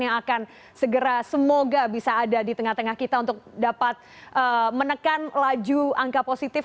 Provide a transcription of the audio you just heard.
yang akan segera semoga bisa ada di tengah tengah kita untuk dapat menekan laju angka positif